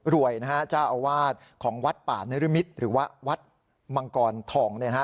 รวยนะฮะจะเอาวาดของวัดป่านริมิตรหรือว่าวัดมังกรทองเนี่ยฮะ